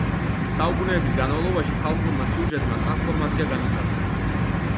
საუკუნეების განმავლობაში ხალხურმა სიუჟეტმა ტრანსფორმაცია განიცადა.